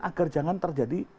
agar jangan terjadi